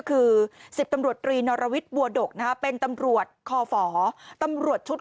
คือ๑๐ตำรวจตรีนรวิทย์บัวดกเป็นตำรวจคอฝตำรวจชุด